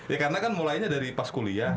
ya karena kan mulainya dari pas kuliah